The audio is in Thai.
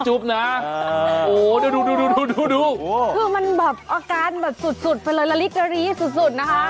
จุ๊บนะโหดูคือมันแบบอาการแบบสุดไปเลยหลีกรีสุดนะคะ